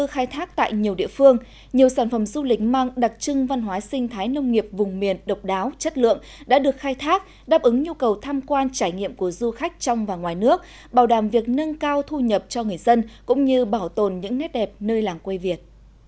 khai thác tại nhiều địa phương nhiều sản phẩm du lịch mang đặc trưng văn hóa sinh thái nông nghiệp vùng miền độc đáo chất lượng đã được khai thác đáp ứng nhu cầu tham quan trải nghiệm của du khách trong và ngoài nước bảo đảm việc nâng cao thu nhập cho người dân cũng như bảo tồn những nét đẹp nơi làng quê việt